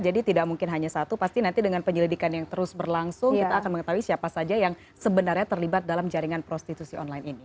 jadi tidak mungkin hanya satu pasti nanti dengan penyelidikan yang terus berlangsung kita akan mengetahui siapa saja yang sebenarnya terlibat dalam jaringan prostitusi online ini